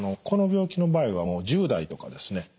この病気の場合は１０代とかですね